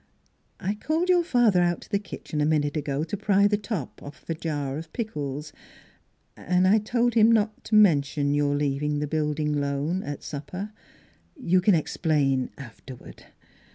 " I called your father out to the kitchen a minute ago to pry the top off a jar of pickles, and I told him not to mention your leaving the NEIGHBORS 247 Building Loan, at supper. You can explain afterward."